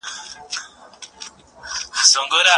پرمختیا اوږد مهاله او پیچلې پروسه ده.